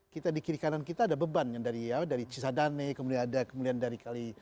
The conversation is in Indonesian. kita di kiri kanan kita ada beban yang dari cisadane kemudian ada kemudian dari kali